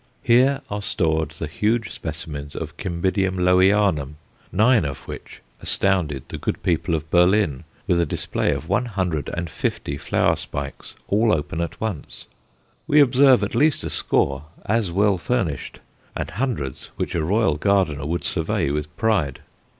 Here are stored the huge specimens of Cymbidium Lowianum, nine of which astounded the good people of Berlin with a display of one hundred and fifty flower spikes, all open at once. We observe at least a score as well furnished, and hundreds which a royal gardener would survey with pride.